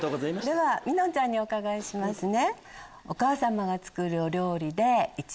みのんちゃんにお伺いしますね。